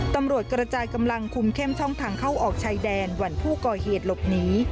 ตำรวจกระจายกำลังคุมเข้มช่องทางเข้าออกชายแดนวันผู้ก่อเหตุหลบหนี